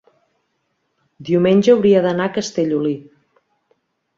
diumenge hauria d'anar a Castellolí.